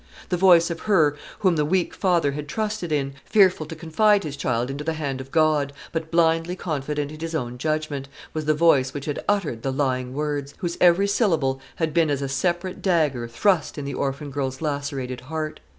The voice of her whom the weak father had trusted in, fearful to confide his child into the hand of God, but blindly confident in his own judgment was the voice which had uttered the lying words, whose every syllable had been as a separate dagger thrust in the orphan girl's lacerated heart.